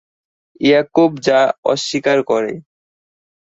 ইয়াকুব যা অস্বীকার করে।